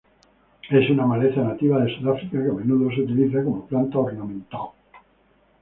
Es una maleza nativa de Sudáfrica, que a menudo se utiliza como planta ornamental.